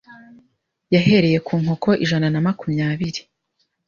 Yahereye ku nkoko ijana na makumyabiri